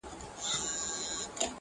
و عسکرو تې ول ځئ زموږ له کوره,